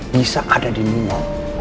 bisa ada di nino